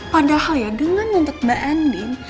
padahal ya dengan nuntut mbak andin